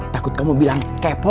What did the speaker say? takut kamu bilang kepo